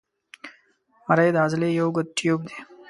مرۍ د عضلې یو اوږد تیوب دی.